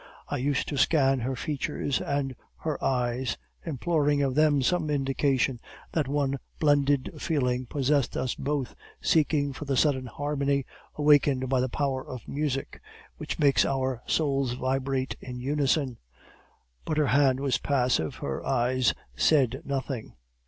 I used to scan her features and her eyes, imploring of them some indication that one blended feeling possessed us both, seeking for the sudden harmony awakened by the power of music, which makes our souls vibrate in unison; but her hand was passive, her eyes said nothing.